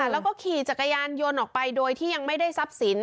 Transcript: แล้วก็ขี่จักรยานยนต์ออกไปโดยที่ยังไม่ได้ทรัพย์สิน